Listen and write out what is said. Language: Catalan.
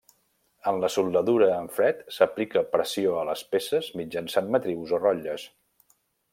En la soldadura en fred, s'aplica pressió a les peces mitjançant matrius o rotlles.